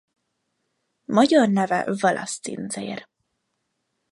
Magyar neve Wallace-cincér.